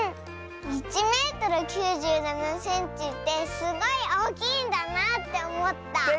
１メートル９７センチってすごいおおきいんだなっておもった。